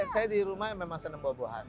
oh saya di rumahnya memang senang bawa buahan